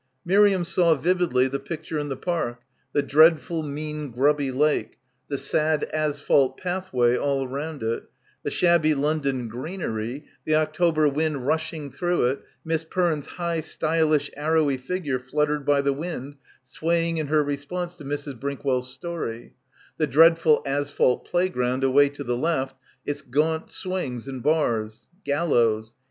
Miriam saw vividly the picture in the park, the dreadful, mean, grubby lake, the sad asphalt pathway all round it, the shabby London greenery, the October wind rushing through it, Miss Perne's high stylish arrowy figure fluttered by the wind, swaying in her response to Mrs. Brinkwell's story, the dreadful asphalt playground away to the left, its gaunt swings and bars — gallows.